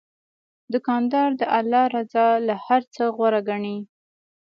دوکاندار د الله رضا له هر څه غوره ګڼي.